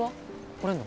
来れんの？